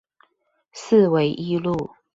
四維一路